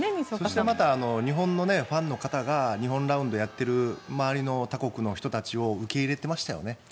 そして、また日本のファンの方が日本ラウンドをやっている周りの他国の人たちを受け入れてましたよね。